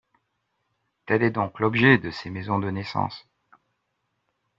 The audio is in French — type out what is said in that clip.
Tel est donc l’objet de ces maisons de naissance.